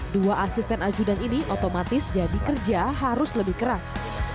dua asisten ajudan ini otomatis jadi kerja harus lebih keras